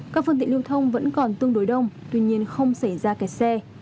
các phương tiện lưu thông vẫn còn tương đối đông tuy nhiên không xảy ra kẹt xe